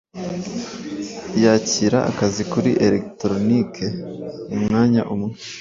yakira akazi kuri elegitoronike mu mwanya umwe